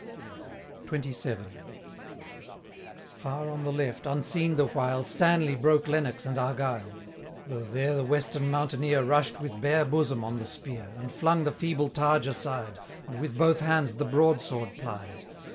XXVII. Far on the left, unseen the while, Stanley broke Lennox and Argyle; Though there the western mountaineer 800 Rush'd with bare bosom on the spear, And flung the feeble targe aside, And with both hands the broadsword plied.